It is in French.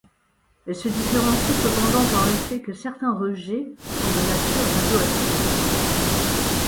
Elle se différencie cependant par le fait que certains rejets sont de nature radioactive.